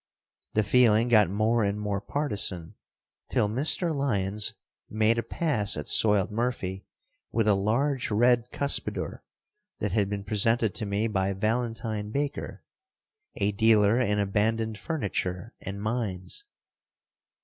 The feeling got more and more partisan till Mr. Lyons made a pass at Soiled Murphy with a large red cuspidor that had been presented to me by Valentine Baker, a dealer in abandoned furniture and mines.